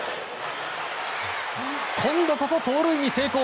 今度こそ盗塁に成功。